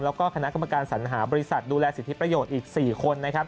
แล้วก็คณะกรรมการสัญหาบริษัทดูแลสิทธิประโยชน์อีก๔คนนะครับ